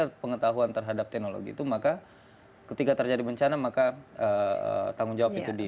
kita pengetahuan terhadap teknologi itu maka ketika terjadi bencana maka tanggung jawab itu di